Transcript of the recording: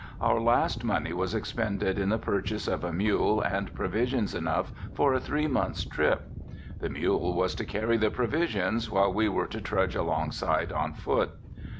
Our last money was expended in the purchase of a mule and provisions enough for a three months trip. The mule was to carry the provisions while we were to trudge alongside on foot.